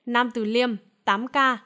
nam tử liêm tám ca